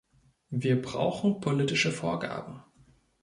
Wir brauchen politische Vorgaben.